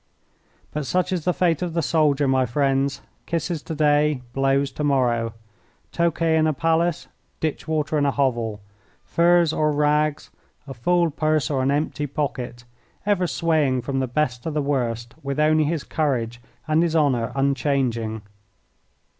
But such is the fate of the soldier, my friends kisses to day, blows to morrow. Tokay in a palace, ditch water in a hovel, furs or rags, a full purse or an empty pocket, ever swaying from the best to the worst, with only his courage and his honour unchanging.